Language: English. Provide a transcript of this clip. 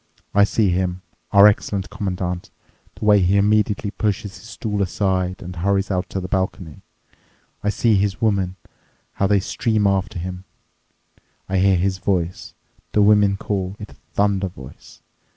I see him, our excellent Commandant—the way he immediately pushes his stool aside and hurries out to the balcony—I see his women, how they stream after him. I hear his voice—the women call it a thunder voice.